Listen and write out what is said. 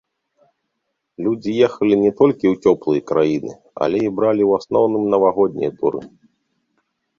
Людзі ехалі не толькі ў цёплыя краіны, але і бралі ў асноўным навагоднія туры.